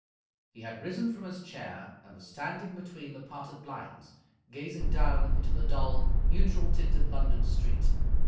He had risen from his chair, and was standing between the parted blinds, gazing down into the dull, neutral tinted London street.